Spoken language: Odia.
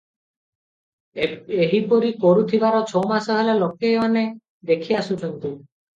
ଏହିପରି କରୁଥିବାର ଛମାସ ହେଲା ଲୋକମାନେ ଦେଖି ଆସୁଛନ୍ତି ।